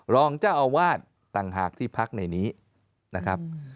รองเจ้าอาวาสต่างหากที่พักในนี้นะครับ